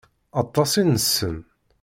Aṭas i nessen.